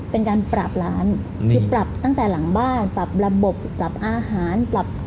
เป็นการปรับร้านคือปรับตั้งแต่หลังบ้านปรับระบบปรับอาหารปรับ